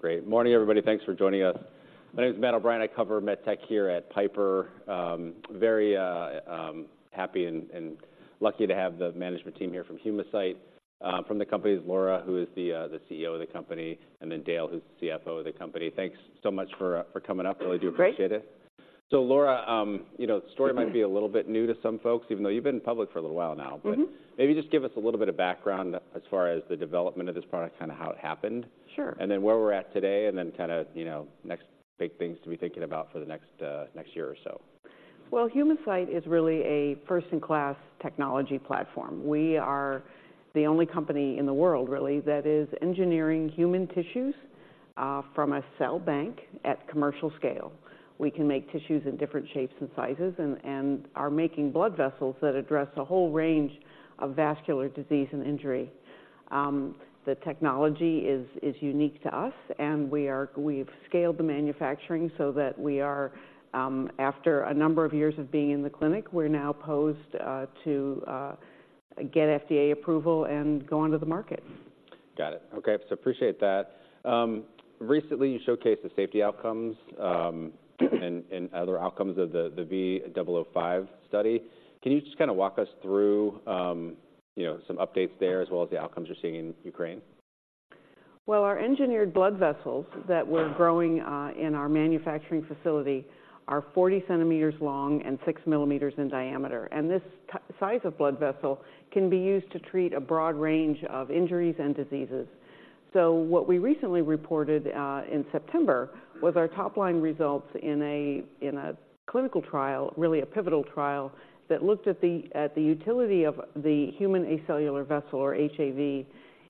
Okay, great morning, everybody. Thanks for joining us. My name is Matt O'Brien. I cover MedTech here at Piper. Very happy and lucky to have the management team here from Humacyte. From the company is Laura, who is the CEO of the company, and then Dale, who's the CFO of the company. Thanks so much for coming up. Great. Really do appreciate it. Laura, you know, the story might be a little bit new to some folks, even though you've been public for a little while now. Mm-hmm. Maybe just give us a little bit of background as far as the development of this product, kind of how it happened? Sure. Then where we're at today, and then kind of, you know, next big things to be thinking about for the next year or so. Well, Humacyte is really a first-in-class technology platform. We are the only company in the world, really, that is engineering human tissues from a cell bank at commercial scale. We can make tissues in different shapes and sizes and are making blood vessels that address a whole range of vascular disease and injury. The technology is unique to us, and we've scaled the manufacturing so that we are, after a number of years of being in the clinic, we're now poised to get FDA approval and go onto the market. Got it. Okay, so appreciate that. Recently, you showcased the safety outcomes, and other outcomes of the V005 study. Can you just kind of walk us through, you know, some updates there, as well as the outcomes you're seeing in Ukraine? Well, our engineered blood vessels that we're growing in our manufacturing facility are 40 centimeters long and 6 millimeters in diameter, and this size of blood vessel can be used to treat a broad range of injuries and diseases. So what we recently reported in September was our top-line results in a clinical trial, really a pivotal trial, that looked at the utility of the human acellular vessel, or HAV,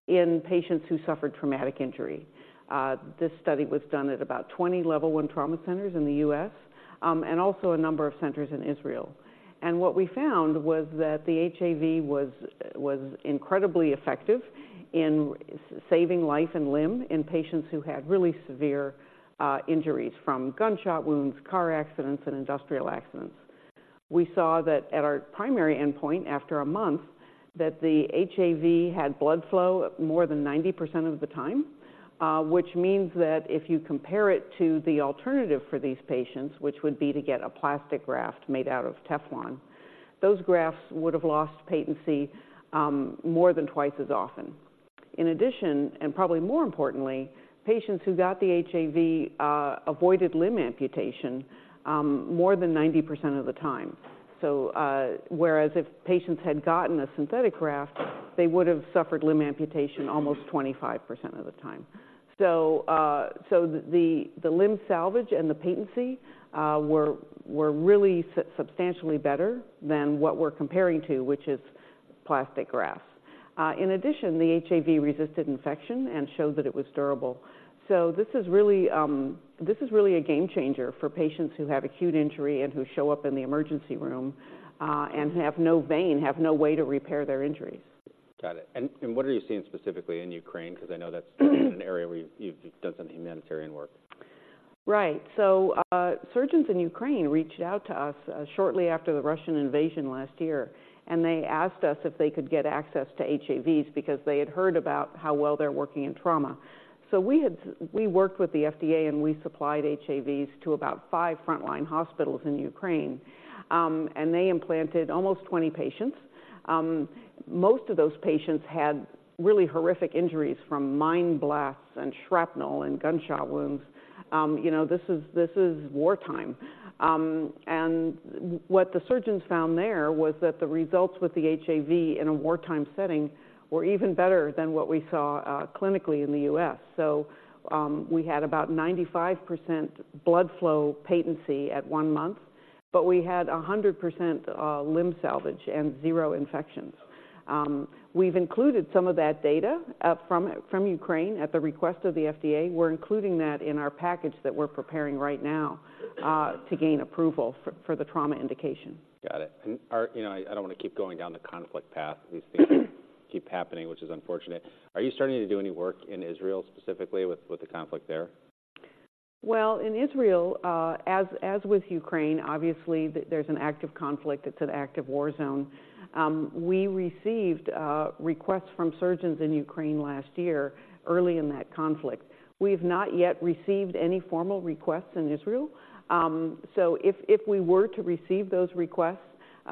in patients who suffered traumatic injury. This study was done at about 20 Level I trauma centers in the U.S., and also a number of centers in Israel. And what we found was that the HAV was incredibly effective in saving life and limb in patients who had really severe injuries from gunshot wounds, car accidents, and industrial accidents. We saw that at our primary endpoint, after a month, that the HAV had blood flow more than 90% of the time, which means that if you compare it to the alternative for these patients, which would be to get a plastic graft made out of Teflon, those grafts would have lost patency more than twice as often. In addition, and probably more importantly, patients who got the HAV avoided limb amputation more than 90% of the time. So, the limb salvage and the patency were really substantially better than what we're comparing to, which is plastic grafts. In addition, the HAV resisted infection and showed that it was durable. So this is really, this is really a game changer for patients who have acute injury and who show up in the emergency room, and have no vein, have no way to repair their injuries. Got it. And, what are you seeing specifically in Ukraine? Because I know that's an area where you've done some humanitarian work. Right. So, surgeons in Ukraine reached out to us, shortly after the Russian invasion last year, and they asked us if they could get access to HAVs because they had heard about how well they're working in trauma. So we worked with the FDA, and we supplied HAVs to about five frontline hospitals in Ukraine, and they implanted almost 20 patients. Most of those patients had really horrific injuries from mine blasts and shrapnel and gunshot wounds. You know, this is wartime. And what the surgeons found there was that the results with the HAV in a wartime setting were even better than what we saw, clinically in the U.S. So, we had about 95% blood flow patency at one month, but we had 100%, limb salvage and zero infections. We've included some of that data from Ukraine at the request of the FDA. We're including that in our package that we're preparing right now to gain approval for the trauma indication. Got it. And, you know, I don't want to keep going down the conflict path. These things keep happening, which is unfortunate. Are you starting to do any work in Israel, specifically with, with the conflict there? Well, in Israel, as with Ukraine, obviously, there's an active conflict. It's an active war zone. We received requests from surgeons in Ukraine last year, early in that conflict. We've not yet received any formal requests in Israel. So if we were to receive those requests,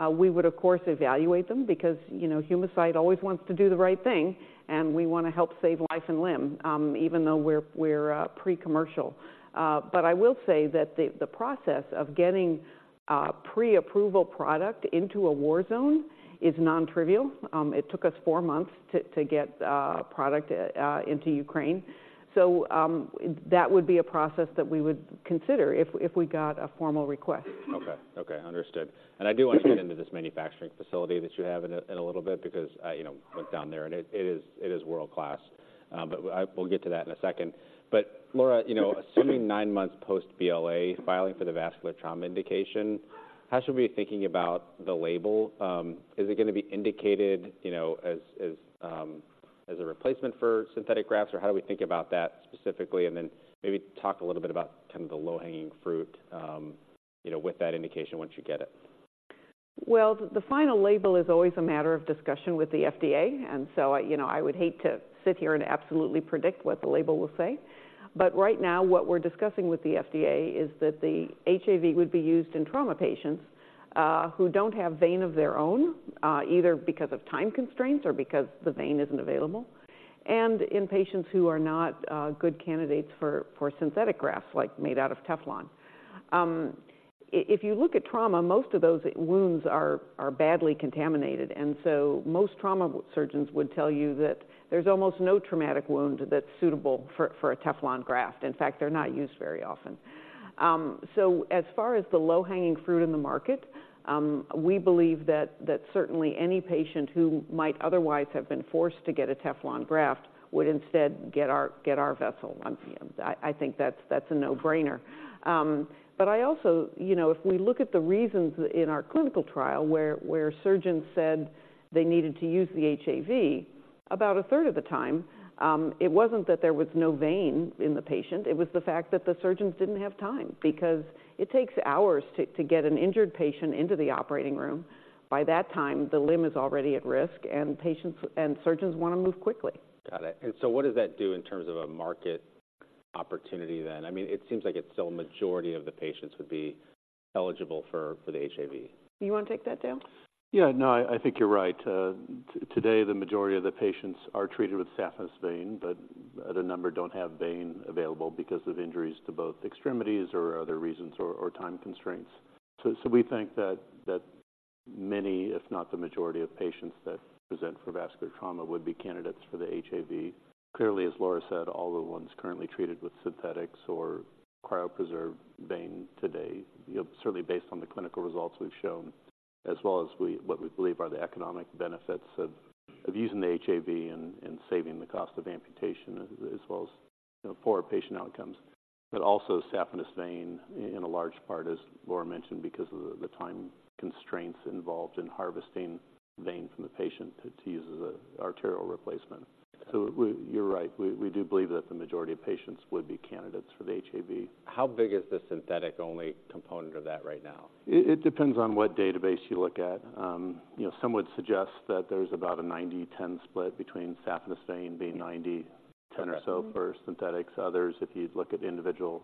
we would, of course, evaluate them because, you know, Humacyte always wants to do the right thing, and we want to help save life and limb, even though we're pre-commercial. But I will say that the process of getting a pre-approval product into a war zone is non-trivial. It took us four months to get product into Ukraine. So that would be a process that we would consider if we got a formal request. Okay. Okay, understood. And I do want to get into this manufacturing facility that you have in a little bit, because I, you know, went down there, and it is world-class. But we'll get to that in a second. But Laura, you know, assuming nine months post-BLA filing for the vascular trauma indication, how should we be thinking about the label? Is it going to be indicated, you know, as a replacement for synthetic grafts, or how do we think about that specifically? And then maybe talk a little bit about kind of the low-hanging fruit, you know, with that indication once you get it. Well, the final label is always a matter of discussion with the FDA, and so I, you know, I would hate to sit here and absolutely predict what the label will say. But right now, what we're discussing with the FDA is that the HAV would be used in trauma patients who don't have vein of their own, either because of time constraints or because the vein isn't available, and in patients who are not good candidates for synthetic grafts, like, made out of Teflon. If you look at trauma, most of those wounds are badly contaminated, and so most trauma surgeons would tell you that there's almost no traumatic wound that's suitable for a Teflon graft. In fact, they're not used very often. So as far as the low-hanging fruit in the market, we believe that certainly any patient who might otherwise have been forced to get a Teflon graft would instead get our vessel. I think that's a no-brainer. But I also, you know, if we look at the reasons in our clinical trial, where surgeons said they needed to use the HAV, about a third of the time, it wasn't that there was no vein in the patient, it was the fact that the surgeons didn't have time, because it takes hours to get an injured patient into the operating room. By that time, the limb is already at risk, and patients and surgeons want to move quickly. Got it. So what does that do in terms of a market opportunity then? I mean, it seems like it's still a majority of the patients would be eligible for the HAV. Do you want to take that, Dale? Yeah, no, I think you're right. Today, the majority of the patients are treated with saphenous vein, but a number don't have vein available because of injuries to both extremities or other reasons or time constraints. So we think that many, if not the majority of patients that present for vascular trauma, would be candidates for the HAV. Clearly, as Laura said, all the ones currently treated with synthetics or cryopreserved vein today, you know, certainly based on the clinical results we've shown, as well as what we believe are the economic benefits of using the HAV and saving the cost of amputation as well as, you know, for patient outcomes. But also, saphenous vein, in a large part, as Laura mentioned, because of the time constraints involved in harvesting vein from the patient to use as an arterial replacement. So you're right, we, we do believe that the majority of patients would be candidates for the HAV. How big is the synthetic-only component of that right now? It depends on what database you look at. You know, some would suggest that there's about a 90-10 split between saphenous vein being 90, 10 or so- Okay... for synthetics. Others, if you'd look at individual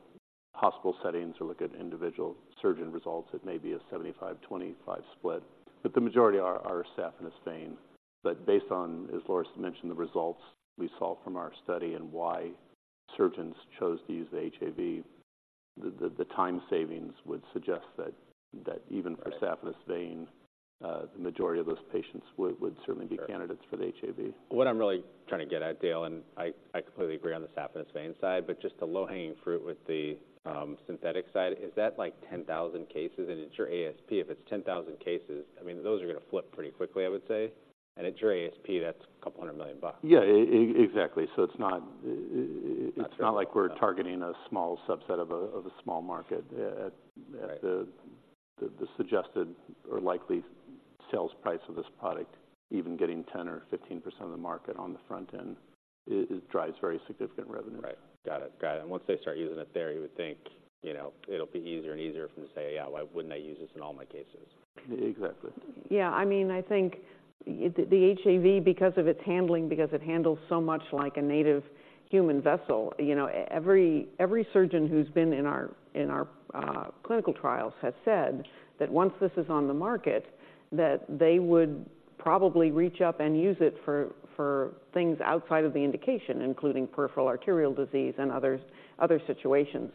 hospital settings or look at individual surgeon results, it may be a 75-25 split, but the majority are saphenous vein. But based on, as Laura mentioned, the results we saw from our study and why surgeons chose to use the HAV, the time savings would suggest that even- Right... for saphenous vein, the majority of those patients would certainly- Sure.... be candidates for the HAV. What I'm really trying to get at, Dale, and I, I completely agree on the saphenous vein side, but just the low-hanging fruit with the synthetic side, is that like 10,000 cases? And at your ASP, if it's 10,000 cases, I mean, those are going to flip pretty quickly, I would say. And at your ASP, that's $200 million. Yeah, exactly. So it's not... That's right It's not like we're targeting a small subset of a small market. Right the suggested or likely sales price of this product, even getting 10% or 15% of the market on the front end, it drives very significant revenue. Right. Got it. Got it, and once they start using it there, you would think, you know, it'll be easier and easier for them to say: "Yeah, why wouldn't I use this in all my cases? Exactly. Yeah, I mean, I think the HAV, because of its handling, because it handles so much like a native human vessel, you know, every surgeon who's been in our clinical trials has said that once this is on the market, that they would probably reach up and use it for things outside of the indication, including peripheral arterial disease and others, other situations.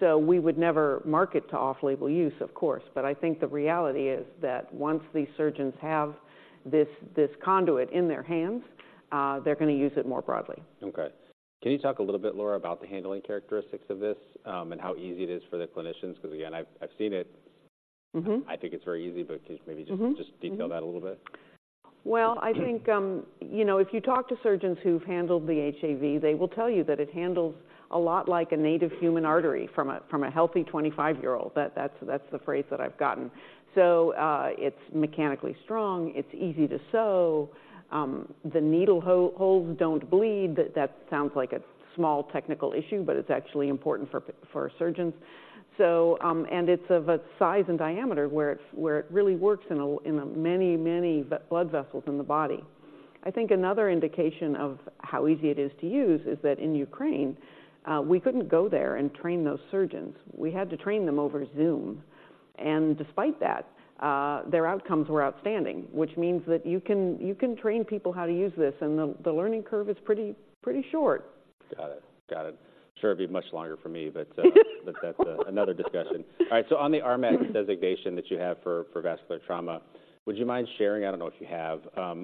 So we would never market to off-label use, of course, but I think the reality is that once these surgeons have this conduit in their hands, they're going to use it more broadly. Okay. Can you talk a little bit, Laura, about the handling characteristics of this, and how easy it is for the clinicians? Because, again, I've seen it. Mm-hmm. I think it's very easy, but can you maybe just- Mm-hmm... just detail that a little bit? Well, I think, you know, if you talk to surgeons who've handled the HAV, they will tell you that it handles a lot like a native human artery from a healthy 25-year-old. That's the phrase that I've gotten. So, it's mechanically strong, it's easy to sew, the needle holes don't bleed. That sounds like a small technical issue, but it's actually important for our surgeons. So, and it's of a size and diameter where it really works in many blood vessels in the body. I think another indication of how easy it is to use is that in Ukraine, we couldn't go there and train those surgeons. We had to train them over Zoom, and despite that, their outcomes were outstanding, which means that you can, you can train people how to use this, and the learning curve is pretty, pretty short. Got it. Got it. Sure it'd be much longer for me, but but that's another discussion. All right, so on the RMAT designation that you have for vascular trauma, would you mind sharing, I don't know if you have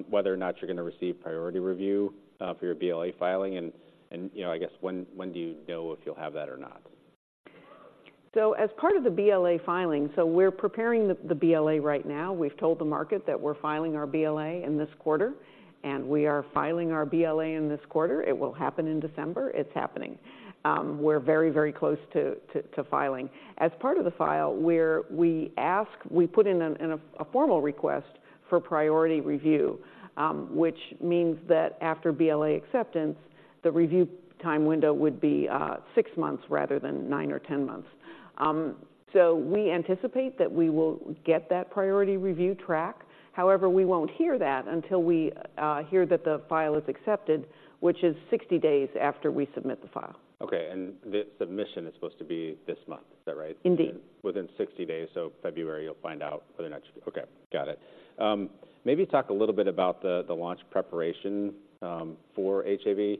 whether or not you're going to receive priority review for your BLA filing? And you know, I guess, when do you know if you'll have that or not? So as part of the BLA filing, we're preparing the BLA right now. We've told the market that we're filing our BLA in this quarter, and we are filing our BLA in this quarter. It will happen in December. It's happening. We're very close to filing. As part of the file, we put in a formal request for priority review, which means that after BLA acceptance the review time window would be six months rather than nine or 10 months. So we anticipate that we will get that priority review track. However, we won't hear that until we hear that the file is accepted, which is 60 days after we submit the file. Okay, and the submission is supposed to be this month. Is that right? Indeed. Within 60 days, so February, you'll find out for the next. Okay, got it. Maybe talk a little bit about the launch preparation for HAV.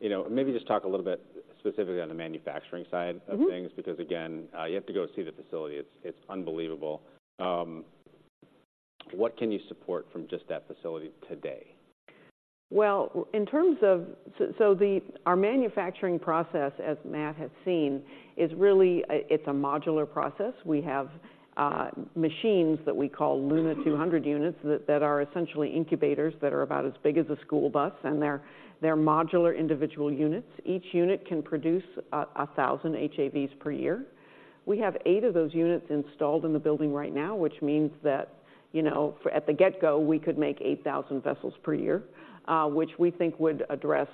You know, maybe just talk a little bit specifically on the manufacturing side- Mm-hmm -of things, because again, you have to go see the facility. It's unbelievable. What can you support from just that facility today? Well, in terms of our manufacturing process, as Matt has seen, is really, it's a modular process. We have machines that we call Luna 200 units, that are essentially incubators that are about as big as a school bus, and they're modular individual units. Each unit can produce 1,000 HAVs per year. We have eight of those units installed in the building right now, which means that, you know, at the get-go, we could make 8,000 vessels per year, which we think would address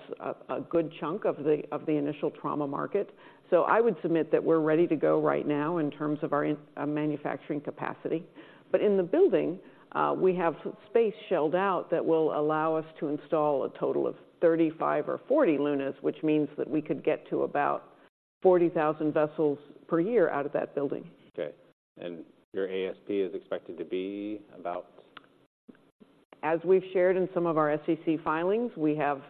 a good chunk of the initial trauma market. So I would submit that we're ready to go right now in terms of our manufacturing capacity. But in the building, we have space shelled out that will allow us to install a total of 35 or 40 Lunas, which means that we could get to about 40,000 vessels per year out of that building. Okay, and your ASP is expected to be about? As we've shared in some of our SEC filings, we have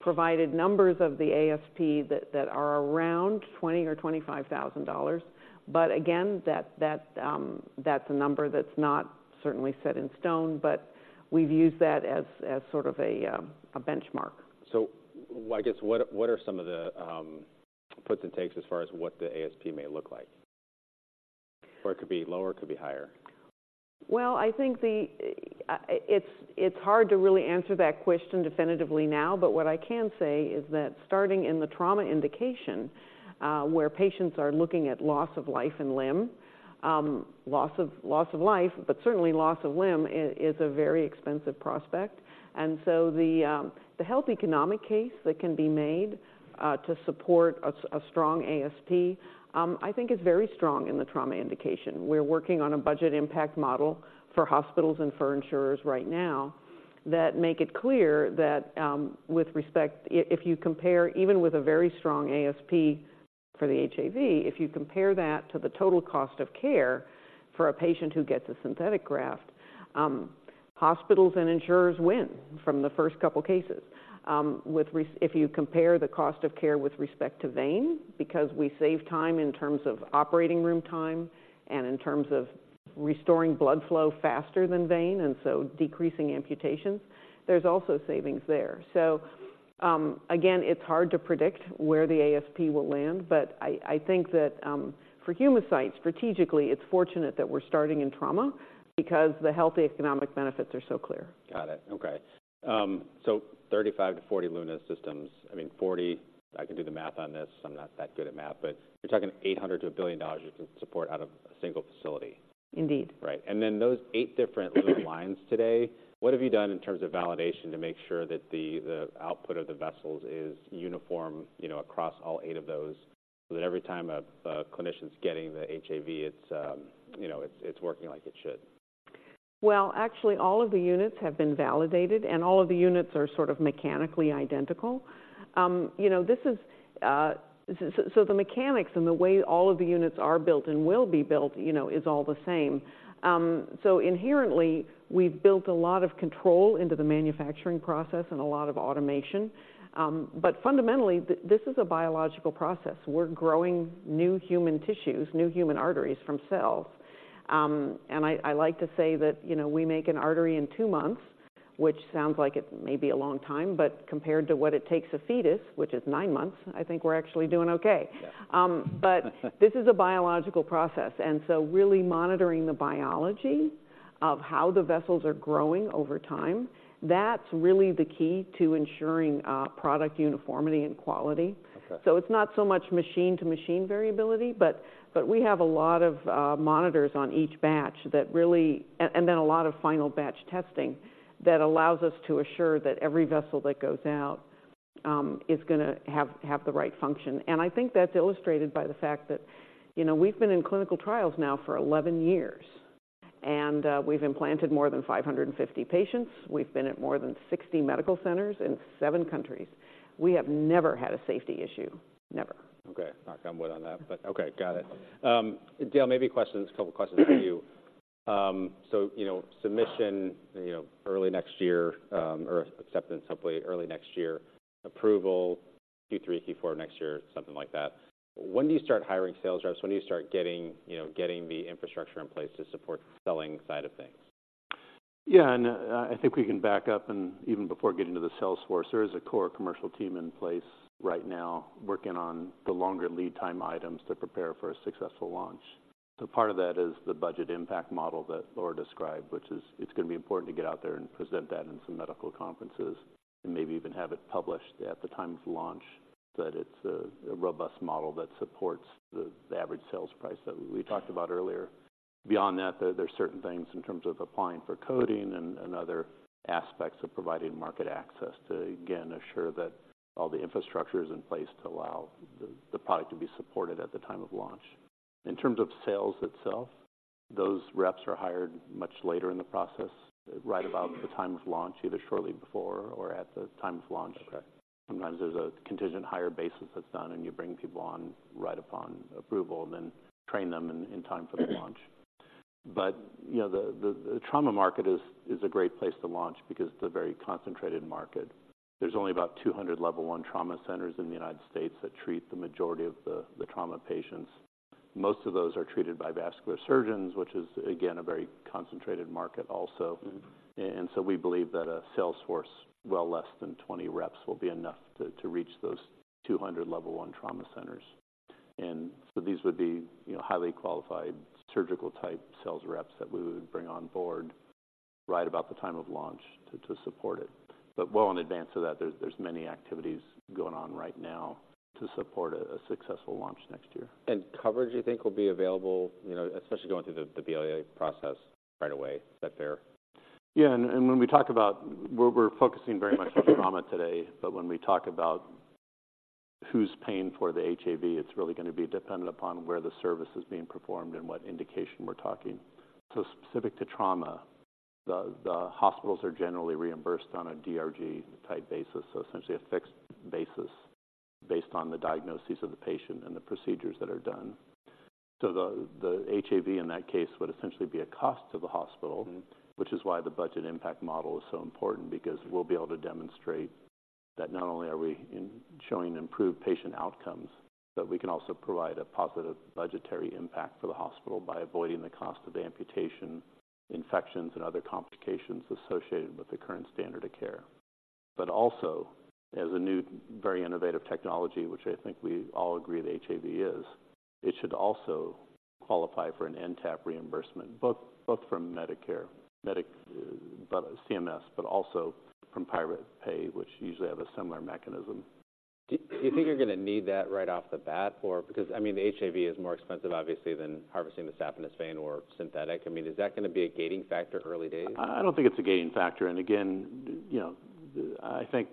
provided numbers of the ASP that are around $20,000 or $25,000. But again, that's a number that's not certainly set in stone, but we've used that as sort of a benchmark. So I guess, what are some of the puts and takes as far as what the ASP may look like, where it could be lower, it could be higher? Well, I think it's hard to really answer that question definitively now, but what I can say is that starting in the trauma indication, where patients are looking at loss of life and limb, loss of life, but certainly loss of limb is a very expensive prospect. And so the health economic case that can be made to support a strong ASP, I think is very strong in the trauma indication. We're working on a budget impact model for hospitals and for insurers right now that make it clear that, with respect, if you compare even with a very strong ASP for the HAV, if you compare that to the total cost of care for a patient who gets a synthetic graft, hospitals and insurers win from the first couple of cases. If you compare the cost of care with respect to vein, because we save time in terms of operating room time and in terms of restoring blood flow faster than vein, and so decreasing amputations, there's also savings there. So, again, it's hard to predict where the ASP will land, but I think that, for Humacyte, strategically, it's fortunate that we're starting in trauma because the healthy economic benefits are so clear. Got it. Okay. So, 35-40 Luna systems. I mean, 40, I can do the math on this. I'm not that good at math, but you're talking $800 million-$1 billion you can support out of a single facility. Indeed. Right. And then those eight different Luna lines today, what have you done in terms of validation to make sure that the output of the vessels is uniform, you know, across all eight of those, so that every time a clinician's getting the HAV, it's, you know, it's working like it should? Well, actually, all of the units have been validated, and all of the units are sort of mechanically identical. You know, this is so the mechanics and the way all of the units are built and will be built, you know, is all the same. So inherently, we've built a lot of control into the manufacturing process and a lot of automation. But fundamentally, this is a biological process. We're growing new human tissues, new human arteries from cells. And I like to say that, you know, we make an artery in two months, which sounds like it may be a long time, but compared to what it takes a fetus, which is nine months, I think we're actually doing okay. Yeah. This is a biological process, and so really monitoring the biology of how the vessels are growing over time, that's really the key to ensuring product uniformity and quality. Okay. So it's not so much machine-to-machine variability, but we have a lot of monitors on each batch that really... And then a lot of final batch testing that allows us to assure that every vessel that goes out is gonna have the right function. And I think that's illustrated by the fact that, you know, we've been in clinical trials now for 11 years, and we've implanted more than 550 patients. We've been at more than 60 medical centers in seven countries. We have never had a safety issue. Never. Okay. Knock on wood on that, but okay, got it. Dale, maybe questions, a couple of questions for you. So, you know, submission, you know, early next year, or acceptance, hopefully early next year. Approval, Q3, Q4 next year, something like that. When do you start hiring sales reps? When do you start getting, you know, getting the infrastructure in place to support the selling side of things? Yeah, and I think we can back up, and even before getting to the sales force, there is a core commercial team in place right now working on the longer lead time items to prepare for a successful launch. So part of that is the budget impact model that Laura described, which is, it's gonna be important to get out there and present that in some medical conferences and maybe even have it published at the time of launch... that it's a robust model that supports the average sales price that we talked about earlier. Beyond that, there's certain things in terms of applying for coding and other aspects of providing market access to, again, assure that all the infrastructure is in place to allow the product to be supported at the time of launch. In terms of sales itself, those reps are hired much later in the process, right about the time of launch, either shortly before or at the time of launch. Okay. Sometimes there's a contingent hire basis that's done, and you bring people on right upon approval and then train them in time for the launch. But, you know, the trauma market is a great place to launch because it's a very concentrated market. There's only about 200 Level I trauma centers in the United States that treat the majority of the trauma patients. Most of those are treated by vascular surgeons, which is, again, a very concentrated market also. Mm-hmm. And so we believe that a sales force, well less than 20 reps, will be enough to reach those 200 Level I trauma centers. And so these would be, you know, highly qualified surgical-type sales reps that we would bring on board right about the time of launch to support it. But well in advance of that, there's many activities going on right now to support a successful launch next year. Coverage you think will be available, you know, especially going through the BLA process right away. Is that fair? Yeah, and when we talk about... We're focusing very much on trauma today, but when we talk about who's paying for the HAV, it's really gonna be dependent upon where the service is being performed and what indication we're talking. So specific to trauma, the hospitals are generally reimbursed on a DRG-type basis, so essentially a fixed basis based on the diagnoses of the patient and the procedures that are done. So the HAV in that case would essentially be a cost to the hospital- Mm-hmm... which is why the budget impact model is so important because we'll be able to demonstrate that not only are we showing improved patient outcomes, but we can also provide a positive budgetary impact for the hospital by avoiding the cost of amputation, infections, and other complications associated with the current standard of care. But also, as a new, very innovative technology, which I think we all agree the HAV is, it should also qualify for an NTAP reimbursement, both from Medicare by the CMS, but also from private pay, which usually have a similar mechanism. Do you think you're gonna need that right off the bat or... Because, I mean, the HAV is more expensive, obviously, than harvesting the saphenous vein or synthetic. I mean, is that gonna be a gating factor early days? I don't think it's a gating factor. And again, you know, I think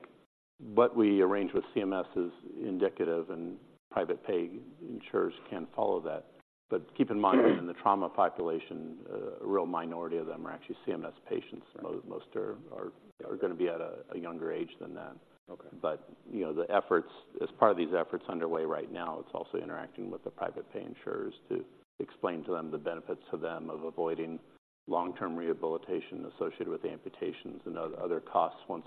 what we arrange with CMS is indicative, and private pay insurers can follow that. But keep in mind, in the trauma population, a real minority of them are actually CMS patients. Right. Most are gonna be at a younger age than that. Okay. You know, the efforts... As part of these efforts underway right now, it's also interacting with the private pay insurers to explain to them the benefits to them of avoiding long-term rehabilitation associated with amputations and other costs once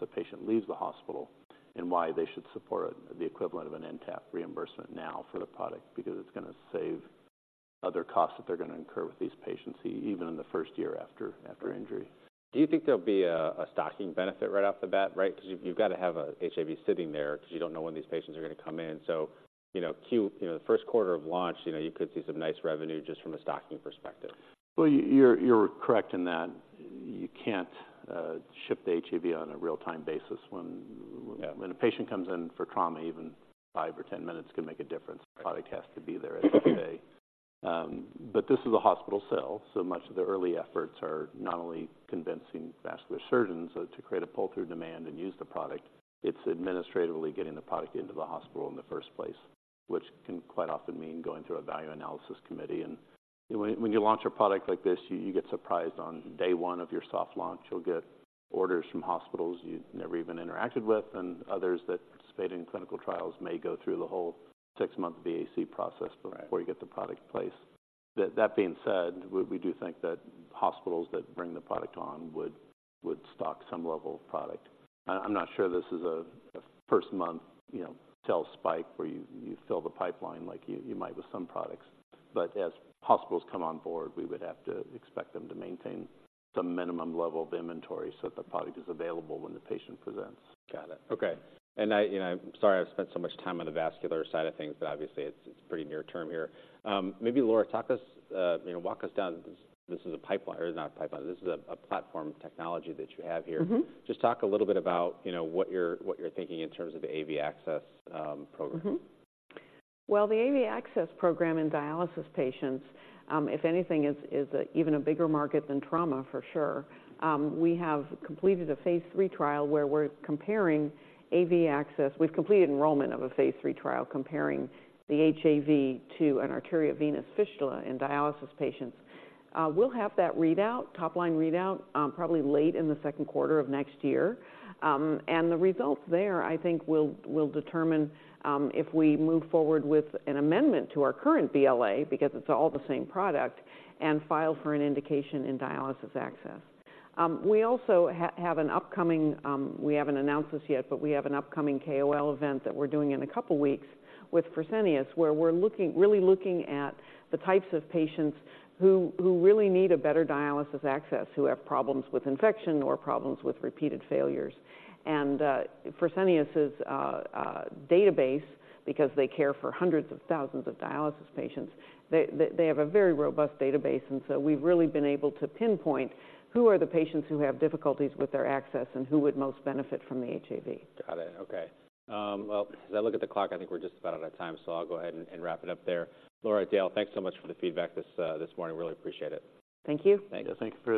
the patient leaves the hospital, and why they should support the equivalent of an NTAP reimbursement now for the product, because it's gonna save other costs that they're gonna incur with these patients, even in the first year after injury. Do you think there'll be a stocking benefit right off the bat, right? 'Cause you've gotta have a HAV sitting there 'cause you don't know when these patients are gonna come in. So, you know, Q, you know, the first quarter of launch, you know, you could see some nice revenue just from a stocking perspective. Well, you're correct in that. You can't ship the HAV on a real-time basis when- Yeah... when a patient comes in for trauma, even five or 10 minutes can make a difference. Right. The product has to be there that day. But this is a hospital sale, so much of the early efforts are not only convincing vascular surgeons to create a pull-through demand and use the product, it's administratively getting the product into the hospital in the first place, which can quite often mean going through a value analysis committee. And when you launch a product like this, you get surprised on day one of your soft launch. You'll get orders from hospitals you've never even interacted with, and others that participated in clinical trials may go through the whole six-month VAC process. Right... before you get the product placed. That being said, we do think that hospitals that bring the product on would stock some level of product. I'm not sure this is a first-month, you know, sales spike where you fill the pipeline like you might with some products. But as hospitals come on board, we would have to expect them to maintain some minimum level of inventory so that the product is available when the patient presents. Got it. Okay, and... You know, I'm sorry I've spent so much time on the vascular side of things, but obviously, it's pretty near term here. Maybe, Laura, talk us, you know, walk us down this. This is a pipeline or not a pipeline, this is a platform technology that you have here. Mm-hmm. Just talk a little bit about, you know, what you're thinking in terms of the AV access program. Mm-hmm. Well, the AV access program in dialysis patients, if anything, is even a bigger market than trauma for sure. We have completed a Phase 3 trial, where we're comparing AV access. We've completed enrollment of a Phase 3 trial comparing the HAV to an arteriovenous fistula in dialysis patients. We'll have that readout, top-line readout, probably late in the second quarter of next year. And the results there, I think, will determine if we move forward with an amendment to our current BLA, because it's all the same product, and file for an indication in dialysis access. We also have an upcoming, We haven't announced this yet, but we have an upcoming KOL event that we're doing in a couple of weeks with Fresenius, where we're looking, really looking at the types of patients who really need a better dialysis access, who have problems with infection or problems with repeated failures. And Fresenius's database, because they care for hundreds of thousands of dialysis patients, they have a very robust database. And so we've really been able to pinpoint who are the patients who have difficulties with their access and who would most benefit from the HAV. Got it. Okay. Well, as I look at the clock, I think we're just about out of time, so I'll go ahead and wrap it up there. Laura, Dale, thanks so much for the feedback this morning. Really appreciate it. Thank you. Thank you. Yeah, thanks.